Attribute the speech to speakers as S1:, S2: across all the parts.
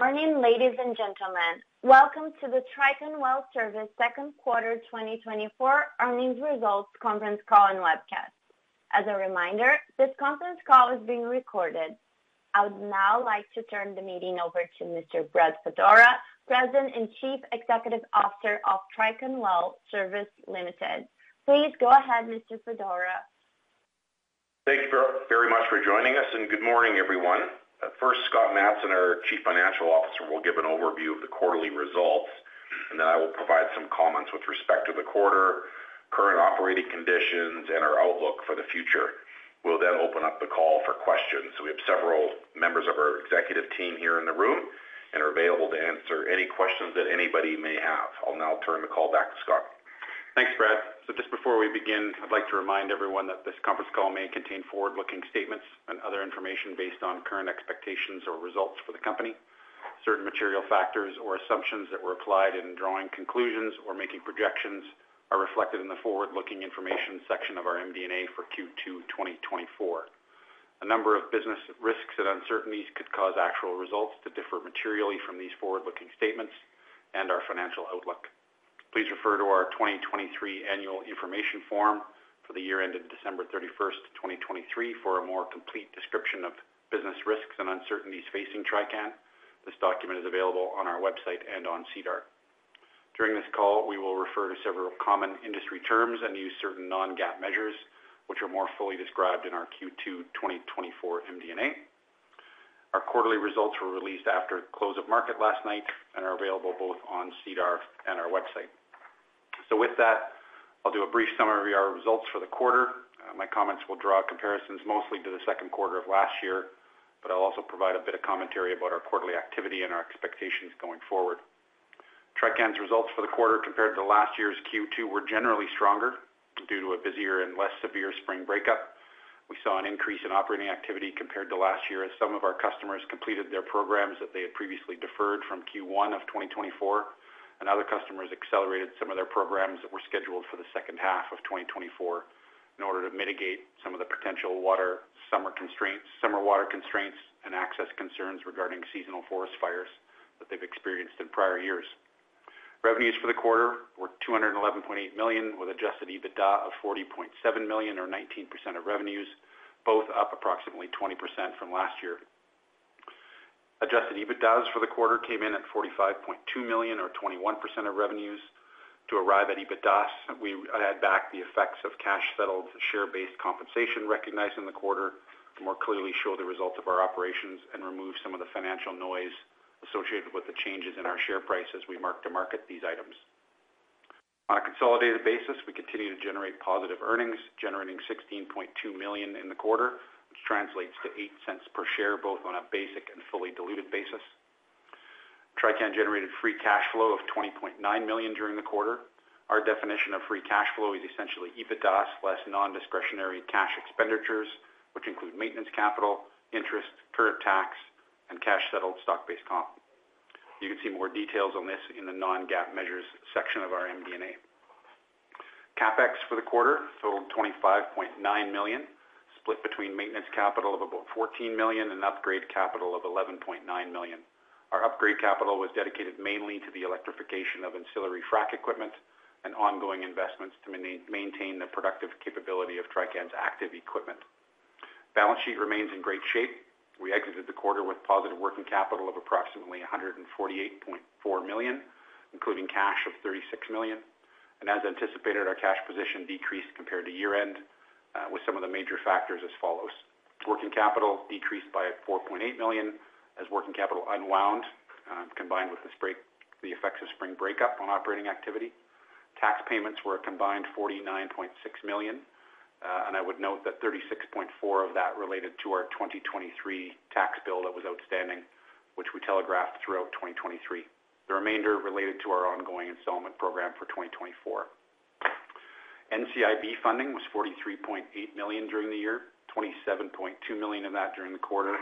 S1: Good morning, ladies and gentlemen. Welcome to the Trican Well Service second quarter 2024 earnings results conference call and webcast. As a reminder, this conference call is being recorded. I would now like to turn the meeting over to Mr. Brad Fedora, President and Chief Executive Officer of Trican Well Service Limited. Please go ahead, Mr. Fedora.
S2: Thank you very, very much for joining us, and good morning, everyone. First, Scott Matson, our Chief Financial Officer, will give an overview of the quarterly results, and then I will provide some comments with respect to the quarter, current operating conditions, and our outlook for the future. We'll then open up the call for questions. So we have several members of our executive team here in the room and are available to answer any questions that anybody may have. I'll now turn the call back to Scott.
S3: Thanks, Brad. Just before we begin, I'd like to remind everyone that this conference call may contain forward-looking statements and other information based on current expectations or results for the company. Certain material factors or assumptions that were applied in drawing conclusions or making projections are reflected in the forward-looking information section of our MD&A for Q2 2024. A number of business risks and uncertainties could cause actual results to differ materially from these forward-looking statements and our financial outlook. Please refer to our 2023 Annual Information Form for the year ended December 31st, 2023, for a more complete description of business risks and uncertainties facing Trican. This document is available on our website and on SEDAR. During this call, we will refer to several common industry terms and use certain non-GAAP measures, which are more fully described in our Q2 2024 MD&A. Our quarterly results were released after the close of market last night and are available both on SEDAR and our website. With that, I'll do a brief summary of our results for the quarter. My comments will draw comparisons mostly to the second quarter of last year, but I'll also provide a bit of commentary about our quarterly activity and our expectations going forward. Trican's results for the quarter compared to last year's Q2 were generally stronger due to a busier and less severe spring breakup. We saw an increase in operating activity compared to last year, as some of our customers completed their programs that they had previously deferred from Q1 of 2024, and other customers accelerated some of their programs that were scheduled for the second half of 2024 in order to mitigate some of the potential water summer constraints, summer water constraints and access concerns regarding seasonal forest fires that they've experienced in prior years. Revenues for the quarter were 211.8 million, with adjusted EBITDA of 40.7 million, or 19% of revenues, both up approximately 20% from last year. Adjusted EBITDAS for the quarter came in at 45.2 million, or 21% of revenues. To arrive at EBITDAS, we add back the effects of cash-settled, share-based compensation recognized in the quarter to more clearly show the results of our operations and remove some of the financial noise associated with the changes in our share price as we mark to market these items. On a consolidated basis, we continue to generate positive earnings, generating 16.2 million in the quarter, which translates to 0.08 per share, both on a basic and fully diluted basis. Trican generated free cash flow of 20.9 million during the quarter. Our definition of free cash flow is essentially EBITDAS less non-discretionary cash expenditures, which include maintenance, capital, interest, current tax, and cash-settled stock-based comp. You can see more details on this in the non-GAAP measures section of our MD&A. CapEx for the quarter totaled 25.9 million, split between maintenance capital of about 14 million and upgrade capital of 11.9 million. Our upgrade capital was dedicated mainly to the electrification of ancillary frac equipment and ongoing investments to maintain the productive capability of Trican's active equipment. Balance sheet remains in great shape. We exited the quarter with positive working capital of approximately 148.4 million, including cash of 36 million. As anticipated, our cash position decreased compared to year-end, with some of the major factors as follows: Working capital decreased by 4.8 million, as working capital unwound, combined with the effects of spring breakup on operating activity. Tax payments were a combined 49.6 million, and I would note that 36.4 million of that related to our 2023 tax bill that was outstanding, which we telegraphed throughout 2023. The remainder related to our ongoing installment program for 2024. NCIB funding was 43.8 million during the year, 27.2 million of that during the quarter,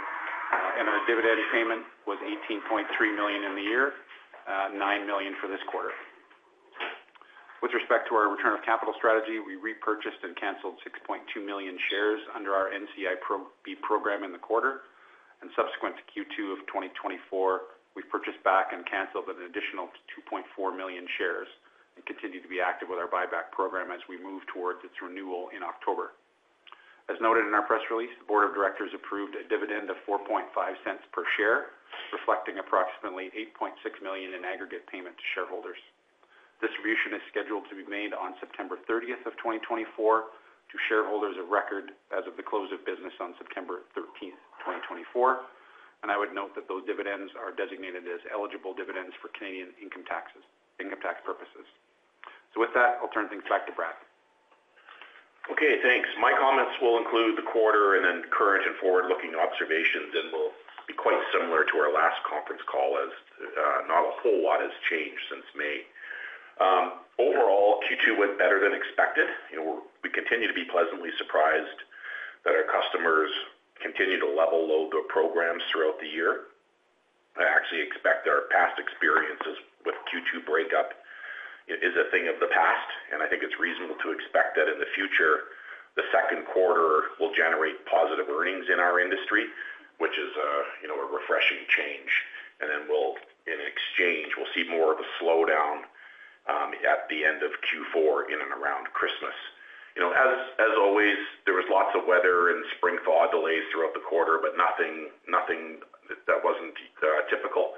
S3: and our dividend payment was 18.3 million in the year, 9 million for this quarter. With respect to our return of capital strategy, we repurchased and canceled 6.2 million shares under our NCIB program in the quarter. And subsequent to Q2 of 2024, we purchased back and canceled an additional 2.4 million shares and continued to be active with our buyback program as we move towards its renewal in October. As noted in our press release, the board of directors approved a dividend of 0.045 per share, reflecting approximately 8.6 million in aggregate payment to shareholders. Distribution is scheduled to be made on September 30th, 2024 to shareholders of record as of the close of business on September 13th, 2024, and I would note that those dividends are designated as eligible dividends for Canadian income tax purposes. With that, I'll turn things back to Brad.
S2: Okay, thanks. My comments will include the quarter and then current and forward-looking observations, and will be quite similar to our last conference call, as not a whole lot has changed since May. Overall, Q2 went better than expected. You know, we continue to be pleasantly surprised that our customers continue to level-load their programs throughout the year. I actually expect our past experiences with Q2 breakup is a thing of the past, and I think it's reasonable to expect that in the future, the second quarter will generate positive earnings in our industry, which is a, you know, a refreshing change. And then we'll in exchange, we'll see more of a slowdown at the end of Q4 in and around Christmas. You know, as always, there was lots of weather and spring thaw delays throughout the quarter, but nothing that wasn't typical.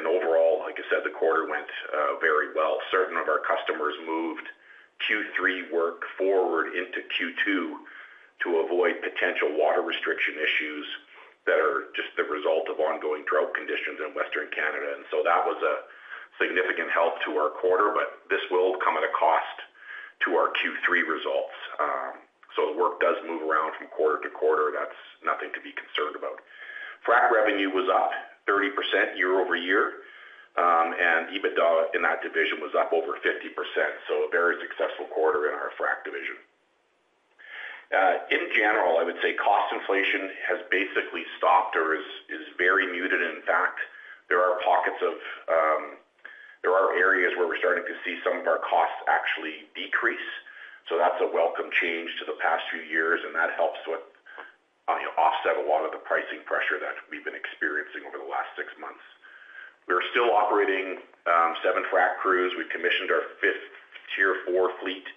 S2: Overall, like I said, the quarter went very well. Certain of our customers moved Q3 work forward into Q2 to avoid potential water restriction issues that are just the result of ongoing drought conditions in Western Canada. And so that was a significant help to our quarter, but this will come at a cost to our Q3 results. So the work does move around from quarter to quarter. That's nothing to be concerned about. Frac revenue was up 30% year-over-year, and EBITDA in that division was up over 50%, so a very successful quarter in our frac division. In general, I would say cost inflation has basically stopped or is very muted. In fact, there are pockets of, there are areas where we're starting to see some of our costs actually decrease. So that's a welcome change to the past few years, and that helps with, you know, offset a lot of the pricing pressure that we've been experiencing over the last six months. We are still operating seventh frac crews. We commissioned our fifth Tier four fleet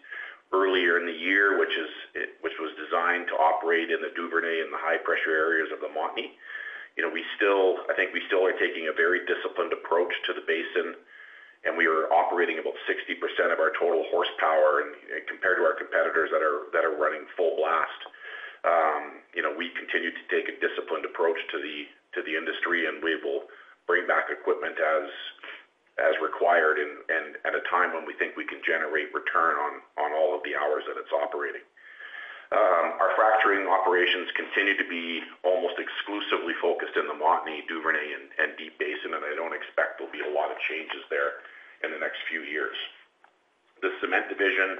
S2: earlier in the year, which was designed to operate in the Duvernay and the high-pressure areas of the Montney. You know, I think we still are taking a very disciplined approach to the basin, and we are operating about 60% of our total horsepower, and compared to our competitors that are running full blast. You know, we continue to take a disciplined approach to the industry, and we will bring back equipment as required and at a time when we think we can generate return on all of the hours that it's operating. Our fracturing operations continue to be almost exclusively focused in the Montney, Duvernay and Deep Basin, and I don't expect there'll be a lot of changes there in the next few years. The cement division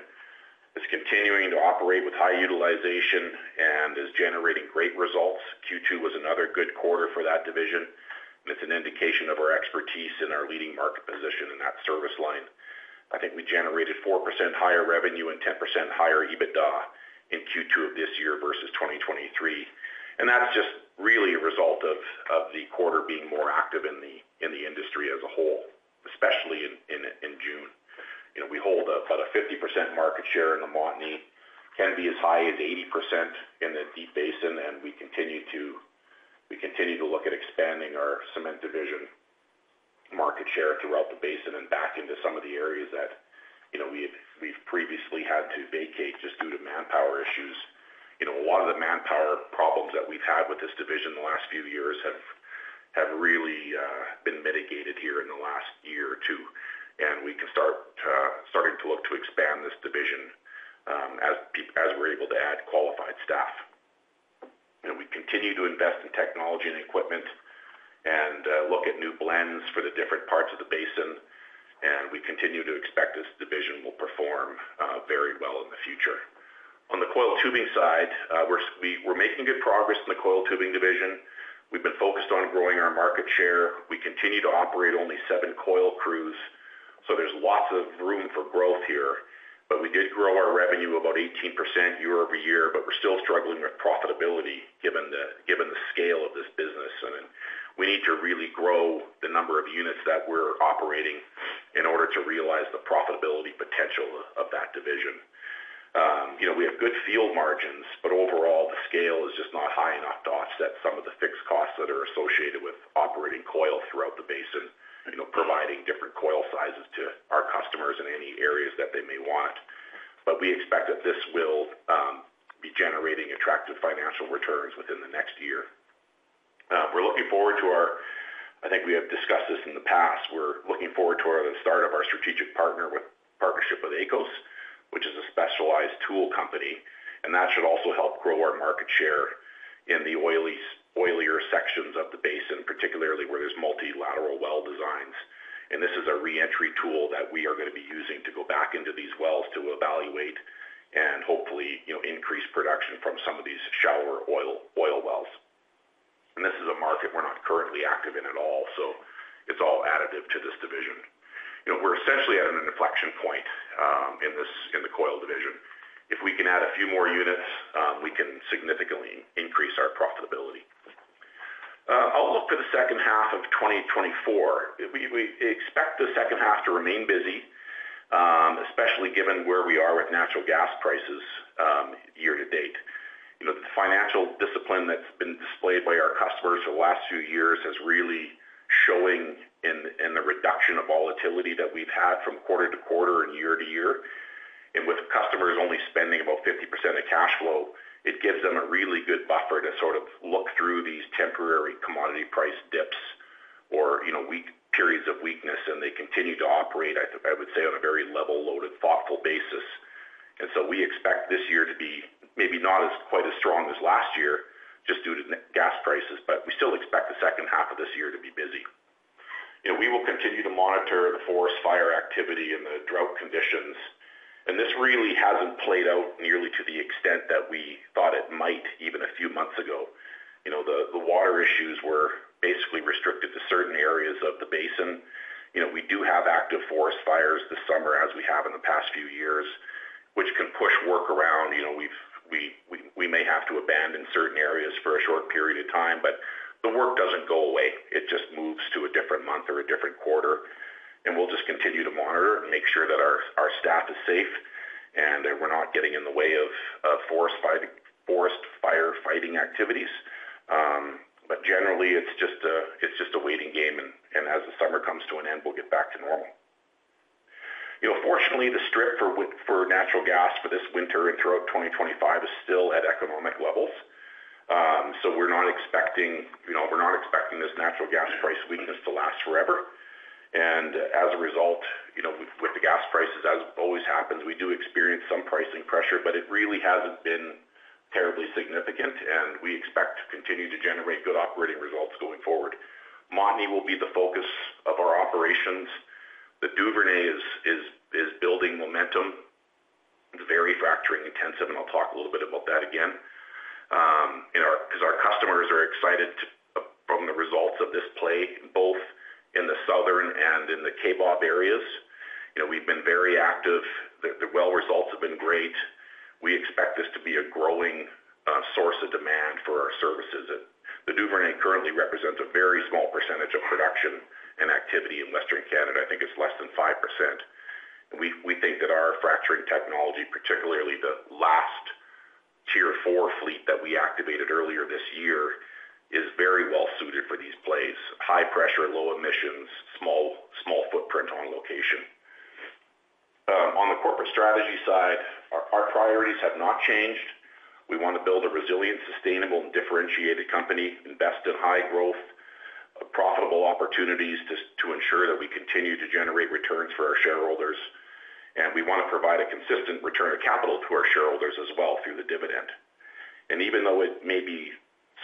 S2: is continuing to operate with high utilization and is generating great results. Q2 was another good quarter for that division, and it's an indication of our expertise and our leading market position in that service line. I think we generated 4% higher revenue and 10% higher EBITDA in Q2 of this year versus 2023, and that's just really a result of the quarter being more active in the industry as a whole, especially in June. You know, we hold about a 50% market share in the Montney, can be as high as 80% in the Deep Basin, and we continue to look at expanding our cement division market share throughout the basin and back into some of the areas that, you know, we've previously had to vacate just due to manpower issues. You know, a lot of the manpower problems that we've had with this division in the last few years have really been mitigated here in the last year or two, and we can starting to look to expand this division, as we're able to add qualified staff. We continue to invest in technology and equipment and look at new blends for the different parts of the basin, and we continue to expect this division will perform very well in the future. On the coiled tubing side, we're making good progress in the coiled tubing division. We've been focused on growing our market share. We continue to operate only seven coiled tubing crews, so there's lots of room for growth here. But we did grow our revenue about 18% year-over-year, but we're still struggling with profitability, given the scale of this business. We need to really grow the number of units that we're operating in order to realize the profitability potential of that division. You know, we have good field margins, but overall, the scale is just not high enough to offset some of the fixed costs that are associated with operating coil throughout the basin, you know, providing different coil sizes to our customers in any areas that they may want. But we expect that this will be generating attractive financial returns within the next year. We're looking forward to our... I think we have discussed this in the past. We're looking forward to our start of our strategic partnership with ACOS, which is a specialized tool company, and that should also help grow our market share in the oily, oilier sections of the basin, particularly where there's multilateral well designs. This is a re-entry tool that we are gonna be using to go back into these wells to evaluate and hopefully, you know, increase production from some of these shallower oil wells. This is a market we're not currently active in at all, so it's all additive to this division. You know, we're essentially at an inflection point in the coil division. If we can add a few more units, we can significantly increase our profitability. Outlook for the second half of 2024, we expect the second half to remain busy, especially given where we are with natural gas prices, year to date. You know, the financial discipline that's been displayed by our customers for the last few years is really showing in the reduction of volatility that we've had from quarter to quarter and year to year. And with customers only spending about 50% of cash flow, it gives them a really good buffer to sort of look through these temporary commodity price dips or, you know, weak periods of weakness, and they continue to operate, I would say, on a very level-loaded, thoughtful basis. So we expect this year to be maybe not quite as strong as last year, just due to gas prices, but we still expect the second half of this year to be busy. You know, we will continue to monitor the forest fire activity and the drought conditions. And this really hasn't played out nearly to the extent that we thought it might, even a few months ago. You know, the water issues were basically restricted to certain areas of the basin. You know, we do have active forest fires this summer, as we have in the past few years, which can push work around. You know, we may have to abandon certain areas for a short period of time, but the work doesn't go away. It just moves to a different month or a different quarter, and we'll just continue to monitor and make sure that our staff is safe, and that we're not getting in the way of forest firefighting activities. But generally, it's just a waiting game, and as the summer comes to an end, we'll get back to normal. You know, fortunately, the strip for natural gas for this winter and throughout 2025 is still at economic levels. So we're not expecting, you know, we're not expecting this natural gas price weakness to last forever. And as a result, you know, with the gas prices, as always happens, we do experience some pricing pressure, but it really hasn't been terribly significant, and we expect to continue to generate good operating results going forward. Montney will be the focus of our operations. The Duvernay is building momentum. It's very fracturing intensive, and I'll talk a little bit about that again. As our customers are excited from the results of this play, both in the southern and in the Kaybob areas, you know, we've been very active. The well results have been great. We expect this to be a growing source of demand for our services. The Duvernay currently represents a very small percentage of production and activity in Western Canada. I think it's less than 5%. We think that our fracturing technology, particularly the last Tier four fleet that we activated earlier this year, is very well suited for these plays, high pressure, low emissions, small, small footprint on location. On the corporate strategy side, our priorities have not changed. We want to build a resilient, sustainable, and differentiated company, invest in high growth, profitable opportunities to ensure that we continue to generate returns for our shareholders, and we want to provide a consistent return of capital to our shareholders as well through the dividend. Even though it may be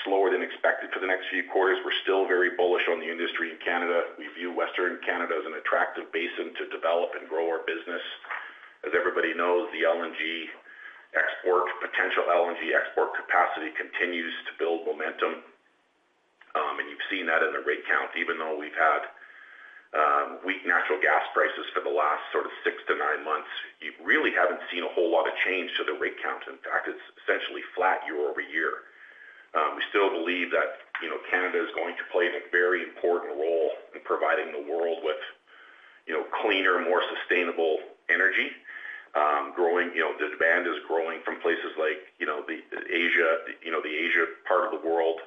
S2: slower than expected for the next few quarters, we're still very bullish on the industry in Canada. We view Western Canada as an attractive basin to develop and grow our business. As everybody knows, the LNG export potential, LNG export capacity continues to build momentum, and you've seen that in the rig count, even though we've had weak natural gas prices for the last sort of six to nine months, you really haven't seen a whole lot of change to the rig count. In fact, it's essentially flat year-over-year. We still believe that, you know, Canada is going to play a very important role in providing the world with, you know, cleaner, more sustainable energy. Growing, you know, demand is growing from places like, you know, the Asia, you know, the Asia part of the world.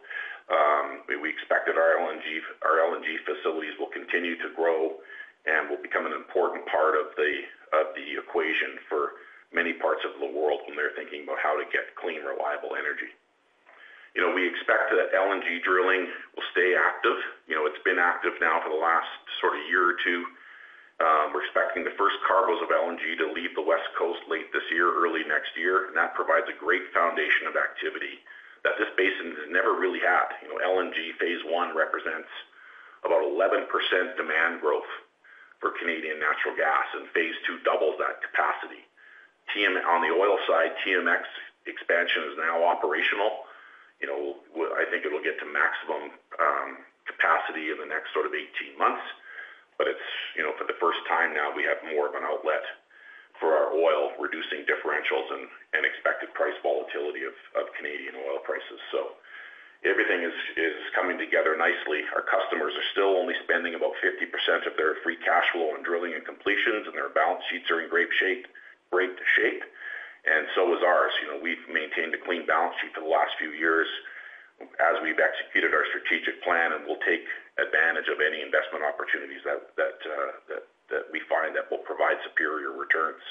S2: We expect that our LNG-- our LNG facilities will continue to grow and will become an important part of the, of the equation for many parts of the world when they're thinking about how to get clean, reliable energy. You know, we expect that LNG drilling will stay active. You know, it's been active now for the last sort of year or two. We're expecting the first cargos of LNG to leave the West Coast late this year, early next year, and that provides a great foundation of activity that this basin has never really had. You know, LNG phase I represents about 11% demand growth for Canadian natural gas, and phase II doubles that capacity. On the oil side, TMX expansion is now operational. You know, I think it'll get to maximum capacity in the next sort of 18 months, but it's, you know, for the first time now, we have more of an outlet for our oil, reducing differentials and expected price volatility of Canadian oil prices. So everything is coming together nicely. Our customers are still only spending about 50% of their free cash flow on drilling and completions, and their balance sheets are in great shape, great shape, and so is ours. You know, we've maintained a clean balance sheet for the last few years as we've executed our strategic plan, and we'll take advantage of any investment opportunities that we find that will provide superior returns.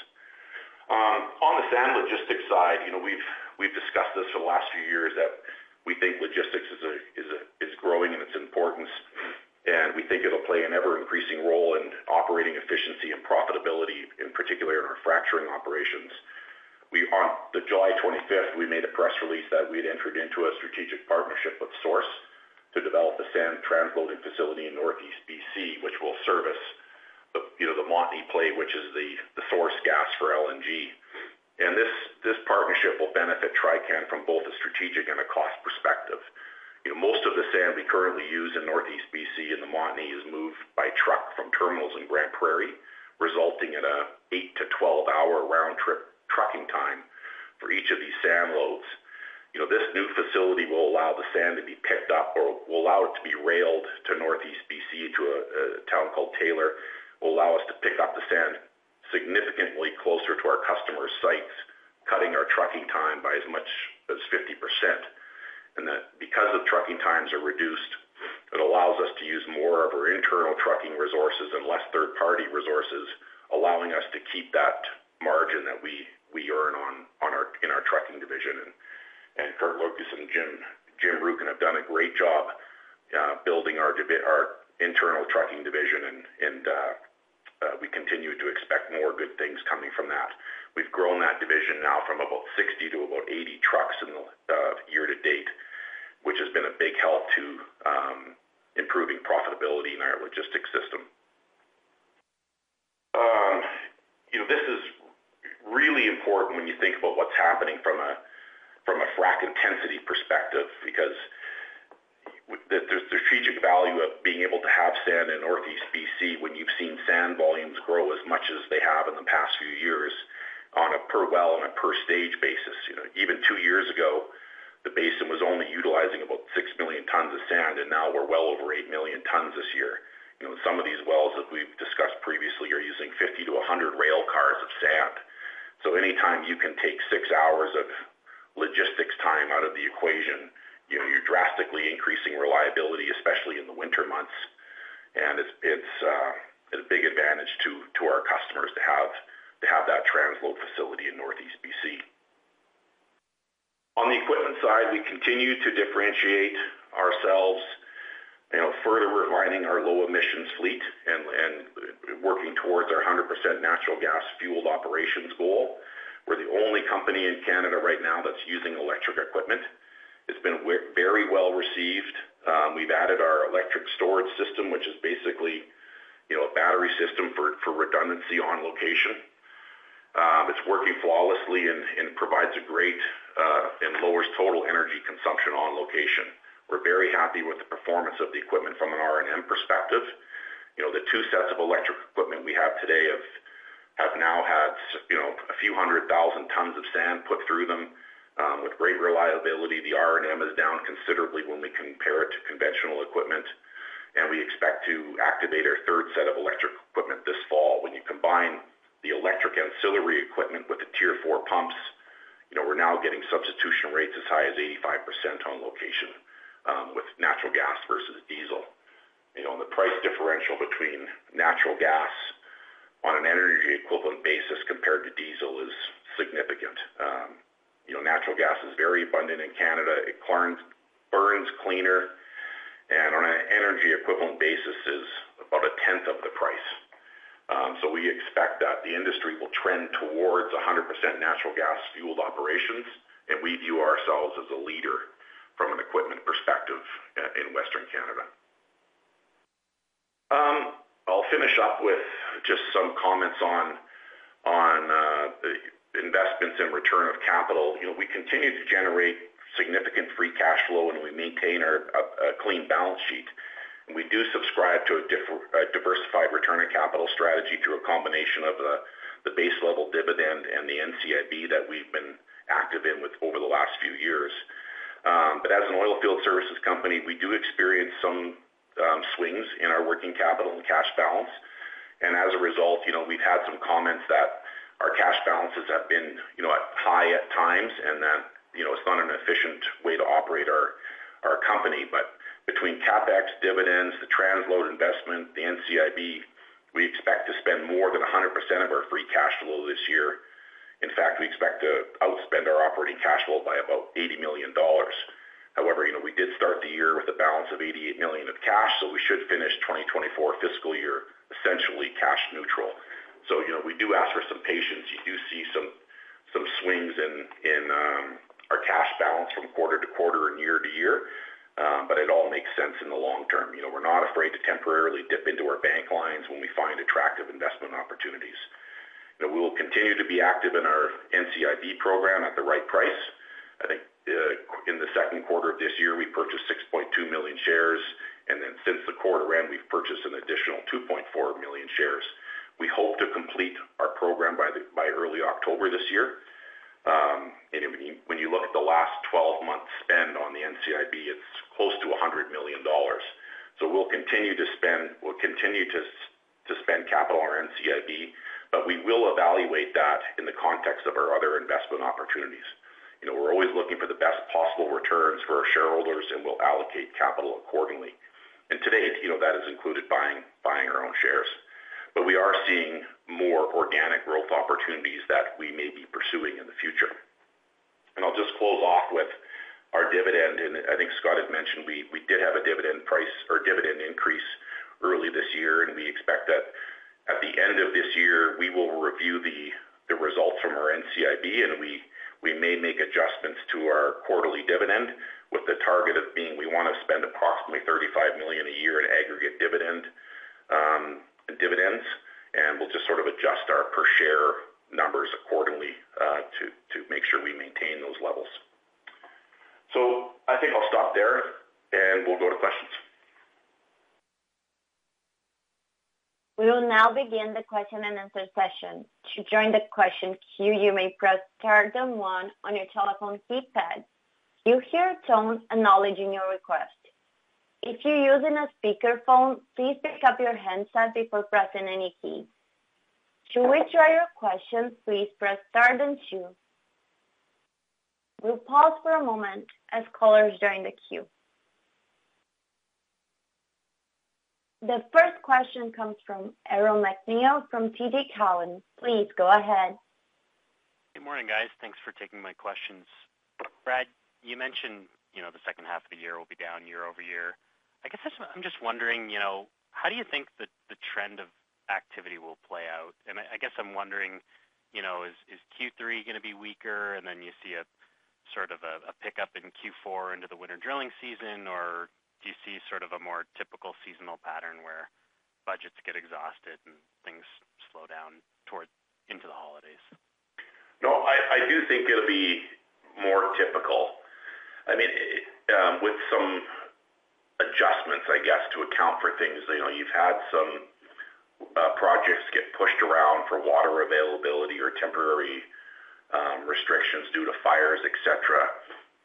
S2: On the sand logistics side, you know, we've discussed this for the last few years, that we think logistics is growing in its importance, and we think it'll play an ever-increasing role in operating efficiency and profitability, in particular in our fracturing operations. On July 25th, we made a press release that we had entered into a strategic partnership with Source to develop a sand transloading facility in Northeast BC, which will service the Montney play, you know, the source gas for LNG. This partnership will benefit Trican from both a strategic and a cost perspective. You know, most of the sand we currently use in Northeast BC, and the Montney is moved by truck from terminals in Grande Prairie, resulting in an eight to 12-hour round trip trucking time for each of these sand loads. You know, this new facility will allow the sand to be picked up or will allow it to be railed to Northeast BC, to a town called Taylor, will allow us to pick up the sand significantly closer to our customers' sites, cutting our trucking time by as much as 50%. And that because the trucking times are reduced, it allows us to use more of our internal trucking resources and less third-party resources, allowing us to keep that margin that we earn on in our trucking division. Kurt Lucas and Jim Rukin have done a great job building our internal trucking division, and we continue to expect more good things coming from that. Now from about 60 to about 80 trucks in the year-to-date, which has been a big help to improving profitability in our logistics system. You know, this is really important when you think about what's happening from a frac intensity perspective, because with the strategic value of being able to have sand in Northeast BC, when you've seen sand volumes grow as much as they have in the past few years on a per well, on a per stage basis. You know, even two years ago, the basin was only utilizing about six million tons of sand, and now we're well over eight million tons this year. You know, some of these wells that we've discussed previously are using 50-100 rail cars of sand. So anytime you can take six hours of logistics time out of the equation, you know, you're drastically increasing reliability, especially in the winter months. And it's a big advantage to our customers to have that transload facility in Northeast BC. On the equipment side, we continue to differentiate ourselves, you know, further refining our low emissions fleet and working towards our 100% natural gas fueled operations goal. We're the only company in Canada right now that's using electric equipment. It's been very well received. We've added our electric storage system, which is basically, you know, a battery system for redundancy on location. It's working flawlessly and provides a great and lowers total energy consumption on location. We're very happy with the performance of the equipment from an R&M perspective. You know, the two sets of electric equipment we have today have, have now had, you know, a few hundred thousand tons of sand put through them, with great reliability. The R&M is down considerably when we compare it to conventional equipment, and we expect to activate our third set of electric equipment this fall. When you combine the electric ancillary equipment with the Tier four pumps, you know, we're now getting substitution rates as high as 85% on location, with natural gas versus diesel. You know, and the price differential between natural gas on an energy equivalent basis compared to diesel is significant. You know, natural gas is very abundant in Canada. It burns cleaner, and on an energy equivalent basis, is about a tenth of the price. So we expect that the industry will trend towards 100% natural gas fueled operations, and we view ourselves as a leader from an equipment perspective in Western Canada. I'll finish up with just some comments on the investments in return of capital. You know, we continue to generate significant free cash flow, and we maintain our a clean balance sheet. And we do subscribe to a diversified return on capital strategy through a combination of the base level dividend and the NCIB that we've been active in with over the last few years. But as an oilfield services company, we do experience some swings in our working capital and cash balance. As a result, you know, we've had some comments that our cash balances have been, you know, at high at times, and that, you know, it's not an efficient way to operate our company. But between CapEx, dividends, the transload investment, the NCIB, we expect to spend more than 100% of our free cash flow this year. In fact, we expect to outspend our operating cash flow by about 80 million dollars. However, you know, we did start the year with a balance of 88 million of cash, so we should finish 2024 fiscal year, essentially cash neutral. So, you know, we do ask for some patience. You do see some swings in our cash balance from quarter to quarter and year to year, but it all makes sense in the long term. You know, we're not afraid to temporarily dip into our bank lines when we find attractive investment opportunities. And we will continue to be active in our NCIB program at the right price. I think, in the second quarter of this year, we purchased 6.2 million shares, and then since the quarter end, we've purchased an additional 2.4 million shares. We hope to complete our program by early October this year. And when you look at the last 12 months spend on the NCIB, it's close to 100 million dollars. So we'll continue to spend, we'll continue to spend capital on NCIB, but we will evaluate that in the context of our other investment opportunities. You know, we're always looking for the best possible returns for our shareholders, and we'll allocate capital accordingly. Today, you know, that has included buying our own shares. But we are seeing more organic growth opportunities that we may be pursuing in the future. I'll just close off with our dividend, and I think Scott had mentioned we did have a dividend price or dividend increase early this year, and we expect that at the end of this year, we will review the results from our NCIB, and we may make adjustments to our quarterly dividend, with the target of being we wanna spend approximately 35 million a year in aggregate dividends, and we'll just sort of adjust our per share numbers accordingly, to make sure we maintain those levels. I think I'll stop there, and we'll go to questions.
S1: We will now begin the question-and-answer session. To join the question queue, you may press star then one on your telephone keypad. You'll hear a tone acknowledging your request. If you're using a speakerphone, please pick up your handset before pressing any key. To withdraw your question, please press star then two. We'll pause for a moment as callers join the queue. The first question comes from Aaron MacNeil from TD Cowen. Please go ahead.
S4: Good morning, guys. Thanks for taking my questions. Brad, you mentioned, you know, the second half of the year will be down year-over-year. I guess I'm, I'm just wondering, you know, how do you think the, the trend of activity will play out? And I, I guess I'm wondering, you know, is, is Q3 gonna be weaker, and then you see a sort of a, a pickup in Q4 into the winter drilling season? Or do you see sort of a more typical seasonal pattern where budgets get exhausted and things slow down toward, into the holidays?
S2: No, I do think it'll be more typical. I mean, with some adjustments, I guess, to account for things. You know, you've had some projects get pushed around for water availability or temporary restrictions due to fires, et cetera.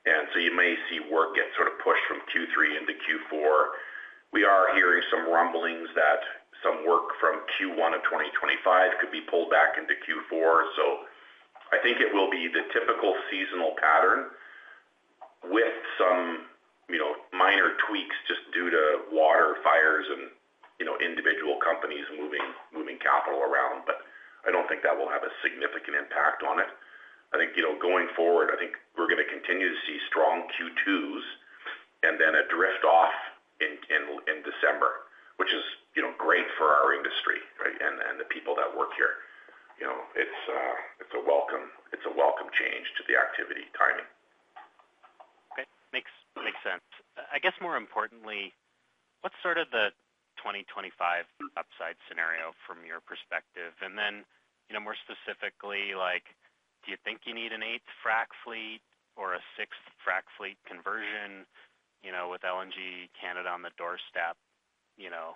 S2: And so you may see work get sort of pushed from Q3 into Q4. We are hearing some rumblings that some work from Q1 of 2025 could be pulled back into Q4. So I think it will be the typical seasonal pattern with some, you know, minor tweaks just due to water, fires, and, you know, individual companies moving capital around, but I don't think that will have a significant impact on it. I think, you know, going forward, I think we're gonna continue to see strong Q2s and then a drift off in December, which is, you know, great for our industry, right, and the people that work here. You know, it's a welcome, it's a welcome change to the activity timing.
S4: Okay, makes sense. I guess more importantly, what's sort of the 2025 upside scenario from your perspective? And then, you know, more specifically, like, do you think you need an eighth frac fleet or a sixth frac fleet conversion, you know, with LNG Canada on the doorstep, you know?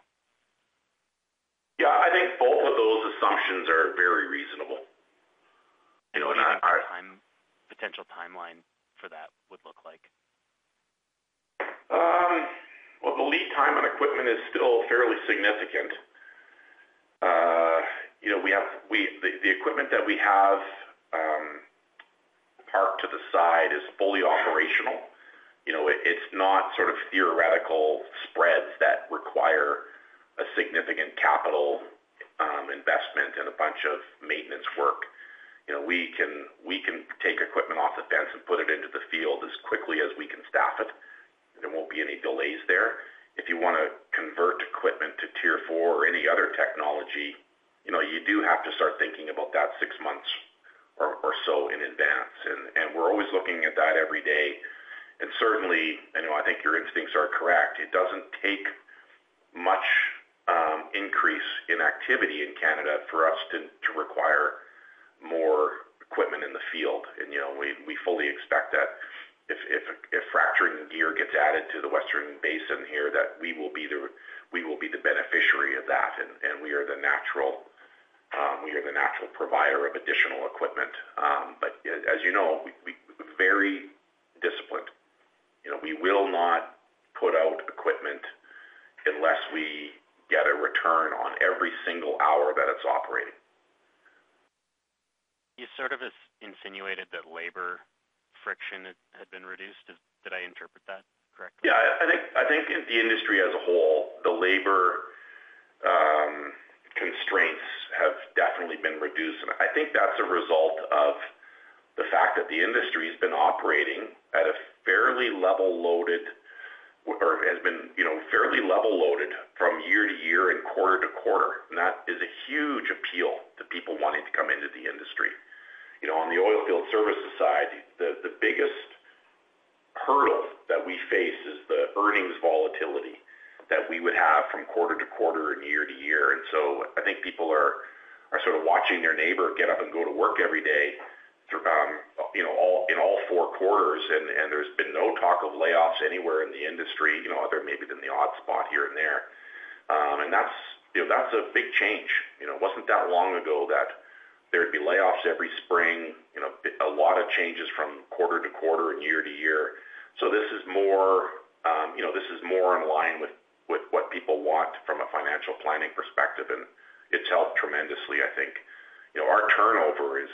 S2: Yeah, I think both of those assumptions are very reasonable. You know, and our-
S4: Potential timeline for that would look like?
S2: Well, the lead time on equipment is still fairly significant. You know, we have the equipment that we have parked to the side is fully operational. You know, it's not sort of theoretical spreads that require a significant capital investment and a bunch of maintenance work. You know, we can take equipment off the fence and put it into the field as quickly as we can staff it. There won't be any delays there. If you wanna convert equipment to Tier four or any other technology, you know, you do have to start thinking about that six months or so in advance, and we're always looking at that every day. And certainly, I know, I think your instincts are correct. It doesn't take much increase in activity in Canada for us to require more equipment in the field. And, you know, we fully expect that if fracturing gear gets added to the Deep Basin here, that we will be the beneficiary of that, and we are the natural provider of additional equipment. But as you know, we very disciplined. You know, we will not put out equipment unless we get a return on every single hour that it's operating.
S4: You sort of insinuated that labor friction had been reduced. Did I interpret that correctly?
S2: Yeah, I think, I think in the industry as a whole, the labor constraints have definitely been reduced, and I think that's a result of the fact that the industry's been operating at a fairly level-loaded, or has been, you know, fairly level-loaded from year to year and quarter to quarter, and that is a huge appeal to people wanting to come into the industry. You know, on the oil field service side, the biggest hurdle that we face is the earnings volatility that we would have from quarter to quarter and year to year. And so I think people are sort of watching their neighbor get up and go to work every day, you know, all in all four quarters, and there's been no talk of layoffs anywhere in the industry, you know, other maybe than the odd spot here and there. And that's, you know, that's a big change. You know, it wasn't that long ago that there'd be layoffs every spring, you know, a lot of changes from quarter to quarter and year to year. So this is more, you know, this is more in line with, with what people want from a financial planning perspective, and it's helped tremendously, I think. You know, our turnover is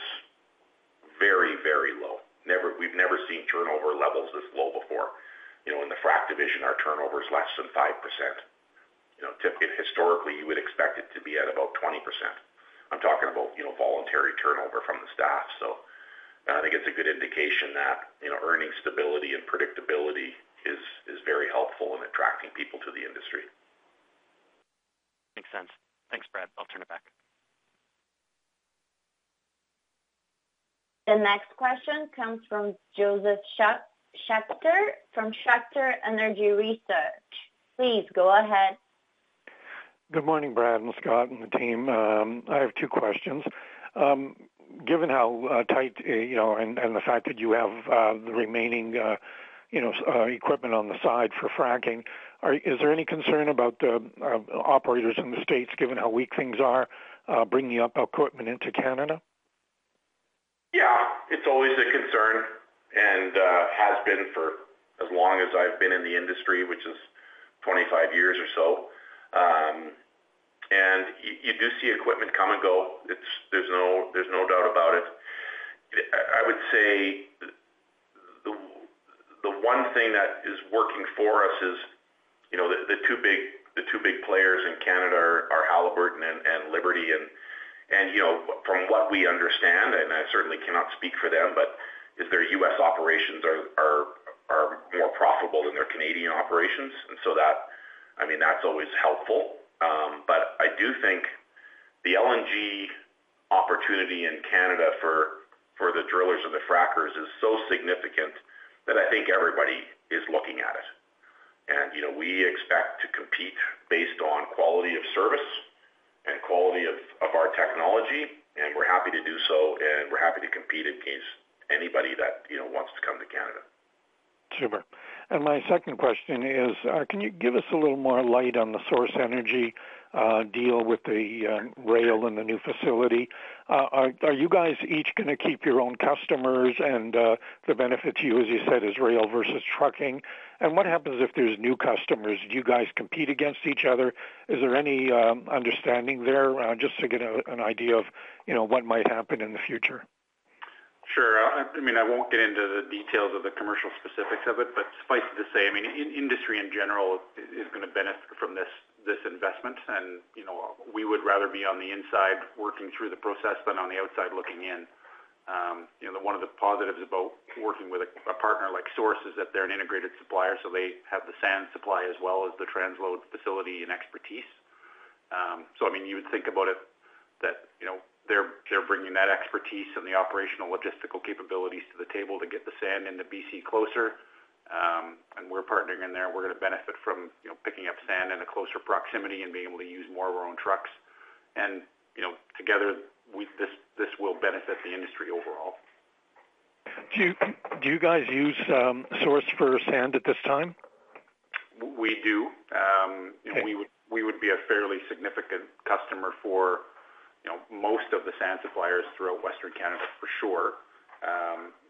S2: very, very low. We've never seen turnover levels this low before. You know, in the frac division, our turnover is less than 5%. You know, historically, you would expect it to be at about 20%. I'm talking about, you know, voluntary turnover from the staff. So I think it's a good indication that, you know, earning stability and predictability is, is very helpful in attracting people to the industry.
S4: Makes sense. Thanks, Brad. I'll turn it back.
S1: The next question comes from Josef Schachter, from Schachter Energy Research. Please go ahead.
S5: Good morning, Brad and Scott and the team. I have two questions. Given how tight, you know, and the fact that you have the remaining equipment on the side for fracking, is there any concern about operators in the States, given how weak things are, bringing up equipment into Canada?
S2: Yeah, it's always a concern and has been for as long as I've been in the industry, which is 25 years or so. And you do see equipment come and go. It's—there's no doubt about it. I would say the one thing that is working for us is, you know, the two big players in Canada are Halliburton and Liberty. And you know, from what we understand, and I certainly cannot speak for them, but their U.S. operations are more profitable than their Canadian operations. And so that, I mean, that's always helpful. But I do think the LNG opportunity in Canada for the drillers and the frackers is so significant that I think everybody is looking at it. You know, we expect to compete based on quality of service and quality of our technology, and we're happy to do so, and we're happy to compete against anybody that, you know, wants to come to Canada.
S5: Super. And my second question is, can you give us a little more light on the Source Energy deal with the rail and the new facility? Are you guys each gonna keep your own customers, and the benefit to you, as you said, is rail versus trucking? And what happens if there's new customers? Do you guys compete against each other? Is there any understanding there? Just to get an idea of, you know, what might happen in the future.
S2: Sure. I mean, I won't get into the details of the commercial specifics of it, but suffice it to say, I mean, industry, in general, is gonna benefit from this, this investment. And, you know, we would rather be on the inside, working through the process than on the outside looking in. You know, one of the positives about working with a partner like Source is that they're an integrated supplier, so they have the sand supply as well as the transload facility and expertise. So I mean, you would think about it that, you know, they're bringing that expertise and the operational logistical capabilities to the table to get the sand into BC closer. And we're partnering in there. We're gonna benefit from, you know, picking up sand in a closer proximity and being able to use more of our own trucks. You know, together this will benefit the industry overall.
S5: Do you, do you guys use Source for sand at this time?
S2: We do.
S5: Okay.
S2: We would be a fairly significant customer for, you know, most of the sand suppliers throughout Western Canada, for sure.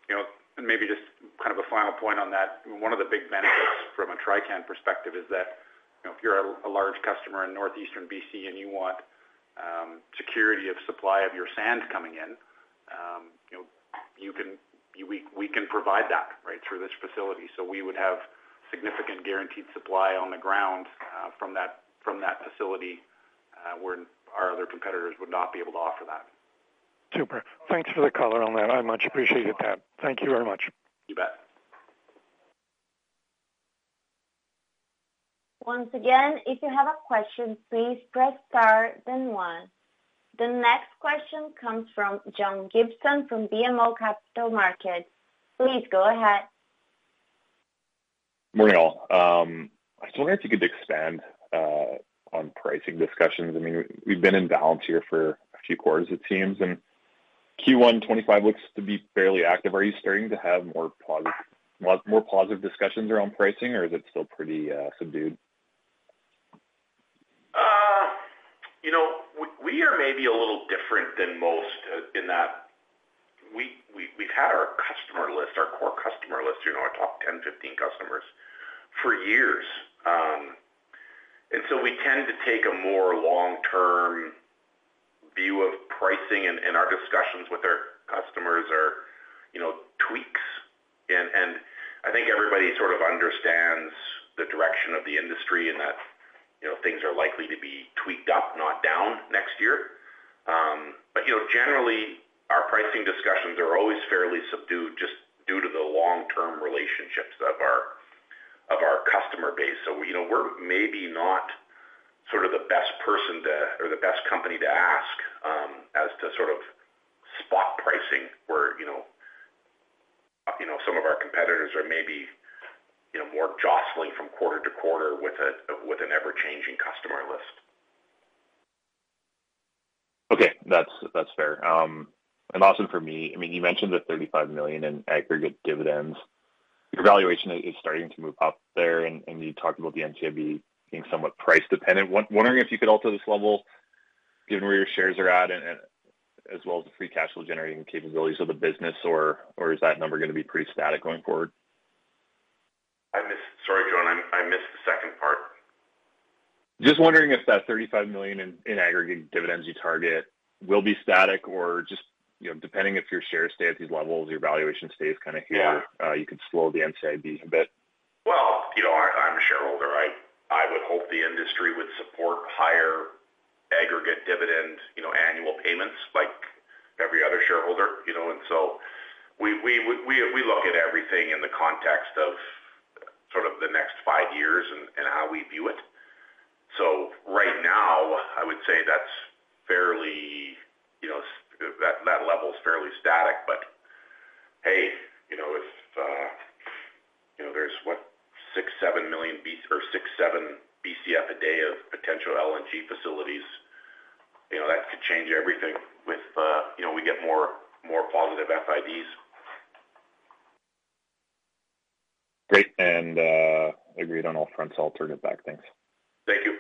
S2: You know, and maybe just kind of a final point on that, one of the big benefits from a Trican perspective is that, you know, if you're a large customer in Northeast BC and you want security of supply of your sand coming in, you know, we can provide that, right, through this facility. So we would have significant guaranteed supply on the ground from that facility where our other competitors would not be able to offer that.
S5: Super. Thanks for the color on that. I much appreciate it, Pat. Thank you very much.
S2: You bet.
S1: Once again, if you have a question, please press star then one. The next question comes from John Gibson from BMO Capital Markets. Please go ahead.
S6: Morning, all. I was wondering if you could expand on pricing discussions. I mean, we've been in balance here for a few quarters, it seems, and Q1 2025 looks to be fairly active. Are you starting to have more positive, more positive discussions around pricing, or is it still pretty subdued?
S2: You know, we are maybe a little different than most in that we've had our customer list, our core customer list, you know, our top 10, 15 customers, for years. And so we tend to take a more long-term view of pricing, and our discussions with our customers are, you know, tweaks. And I think everybody sort of understands the direction of the industry and that, you know, things are likely to be tweaked up, not down, next year. But, you know, generally, our pricing discussions are always fairly subdued, just due to the long-term relationships of our customer base. You know, we're maybe not sort of the best person to, or the best company to ask, as to sort of spot pricing where, you know, some of our competitors are maybe, you know, more jostling from quarter to quarter with an ever-changing customer list.
S6: Okay. That's fair. And also for me, I mean, you mentioned the 35 million in aggregate dividends. Your valuation is starting to move up there, and you talked about the NCIB being somewhat price dependent. Wondering if you could alter this level given where your shares are at, and, as well as the free cash flow generating capabilities of the business, or is that number gonna be pretty static going forward?
S2: I missed... Sorry, John, I missed the second part.
S6: Just wondering if that 35 million in aggregate dividends you target will be static or just, you know, depending if your shares stay at these levels, your valuation stays kinda here-
S2: Yeah.
S6: - You could slow the NCIB a bit.
S2: Well, you know, I'm a shareholder, right? I would hope the industry would support higher aggregate dividend, you know, annual payments like every other shareholder, you know. So we look at everything in the context of sort of the next five years and how we view it. So right now, I would say that's fairly, you know, that level is fairly static. But, hey, you know, if you know, there's six to seven BCF a day of potential LNG facilities, you know, that could change everything with you know, we get more positive FIDs.
S6: Great, and, agreed on all fronts. I'll turn it back. Thanks.
S2: Thank you.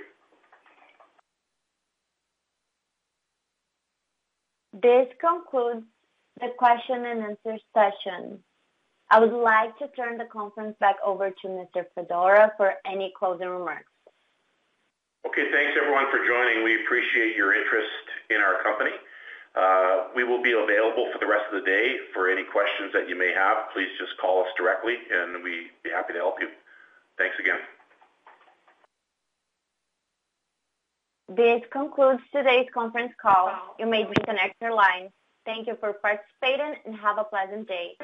S1: This concludes the question and answer session. I would like to turn the conference back over to Mr. Fedora for any closing remarks.
S2: Okay. Thanks, everyone, for joining. We appreciate your interest in our company. We will be available for the rest of the day for any questions that you may have. Please just call us directly, and we'd be happy to help you. Thanks again.
S1: This concludes today's conference call. You may disconnect your lines. Thank you for participating, and have a pleasant day.